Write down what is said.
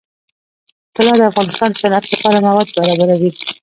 طلا د افغانستان د صنعت لپاره مواد برابروي.